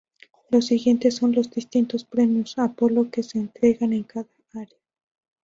Los siguientes son los distintos premios Apolo que se entregan en cada área.